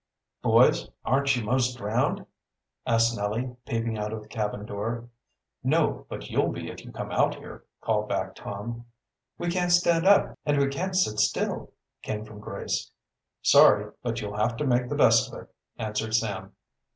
"Boys, aren't you most drowned?" asked Nellie, peeping out of the cabin door. "No, but you'll be if you come out here," called back Tom. "We can't stand up and we can't sit still," came from Grace. "Sorry, but you'll have to make the best of it," answered Sam.